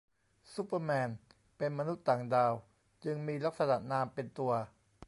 ซูเปอร์แมนเป็นมนุษย์ต่างดาว จึงมีลักษณะนามเป็นตัว